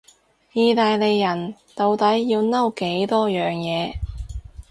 意大利人到底要嬲幾多樣嘢？